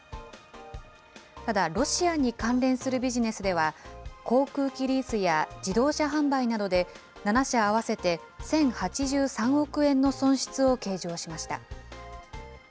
ただ、ロシアに関連するビジネスでは、航空機リースや自動車販売などで、７社合わせて１０８３億円の損失を計上しました。